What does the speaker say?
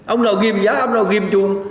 ông nào nghiêm giá ông nào nghiêm chuông